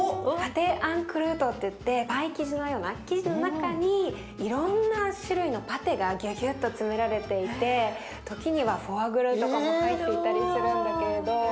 パテ・アンクルートっていってパイ生地のような生地の中にいろんな種類のパテがギュギュッと詰められていてときにはフォアグラとかも入っていたりするんだけれど。